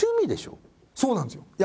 そうなんですよ！